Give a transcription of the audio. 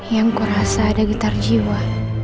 yang gue rasa ada getar jiwa